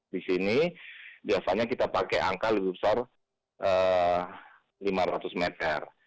di sini biasanya kita pakai angka lebih besar lima ratus meter